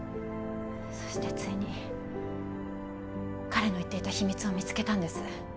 そしてついに彼の言っていた秘密を見つけたんです